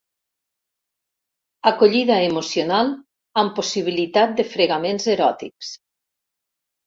Acollida emocional amb possibilitat de fregaments eròtics.